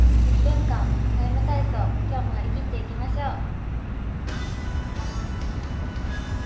１分間「ＴＩＭＥ，体操」今日も張り切っていきましょう。